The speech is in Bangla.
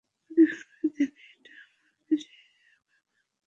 অধিকাংশ দিনই এটা আমার নিজস্ব ব্যাপার।